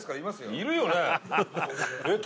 いるよね？